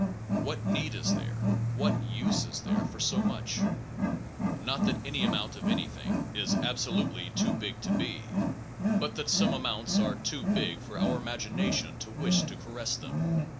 What need is there, what use is there, for so much? Not that any amount of anything is 169 SOME PROBLEMS OF PHILOSOPHY absolutely too big to be; but that some amounts are too big for our imagination to wish to ca ress them.